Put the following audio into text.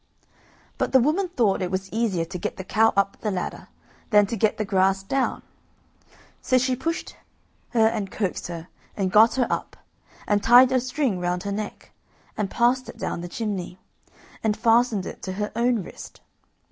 But the woman thought it was easier to get the cow up the ladder than to get the grass down, so she pushed her and coaxed her and got her up, and tied a string round her neck, and passed it down the chimney, and fastened it to her own wrist.